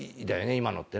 今のってね。